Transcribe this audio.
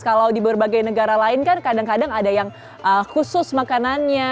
kalau di berbagai negara lain kan kadang kadang ada yang khusus makanannya